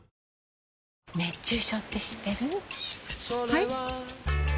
はい？